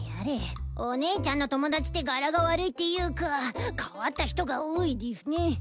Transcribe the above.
おねいちゃんの友達って柄が悪いっていうか変わった人が多いでぃすね。